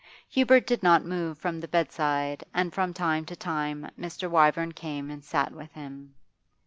Hubert did not move from the bedside, and from time to time Mr. Wyvern came and sat with him.